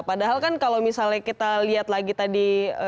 padahal kan kalau misalnya kita lihat lagi tadi